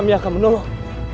kami akan menolong